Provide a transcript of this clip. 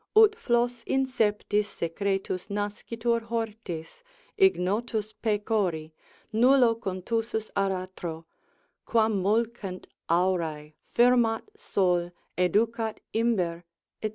Ut flos in septis secretus nascitur hortis, Ignotus pecori, nullo contusus aratro, Quam mulcent aurae, firmat sol, educat imber, &c.